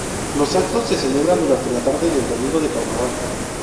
Los actos se celebran durante la tarde del Domingo de Carnaval.